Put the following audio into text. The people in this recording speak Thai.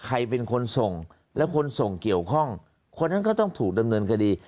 ใครเป็นคนส่งแล้วคนส่งเกี่ยวข้องคนนั้นก็ต้องถูกดำเนินคดี